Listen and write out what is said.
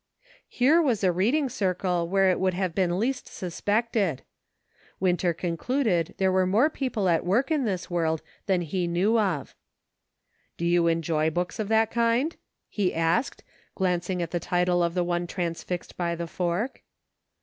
Here was a reading circle where it would have been least suspected ; Winter concluded there were more people at work in this world than he knew of. 202 DIFFERING WORLDS. "Do you enjoy books of that kind?" he asked, glancing at the title of the one transfixed by the fork.